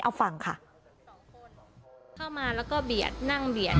เอาฟังค่ะสองคนเข้ามาแล้วก็เบียดนั่งเบียด